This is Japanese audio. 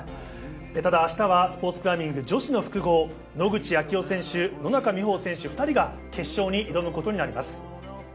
ただ、明日はスポーツクライミング女子の複合野口啓代選手、野中生萌選手２人が決勝に挑むことになります。